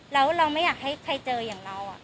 แล้วเราไม่อยากให้ใครเจออย่างเรา